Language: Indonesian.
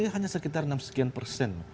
hanya sekitar enam sekian persen